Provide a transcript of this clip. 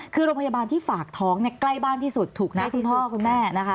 คือโรงพยาบาลที่ฝากท้องเนี่ยใกล้บ้านที่สุดถูกนะคุณพ่อคุณแม่นะคะ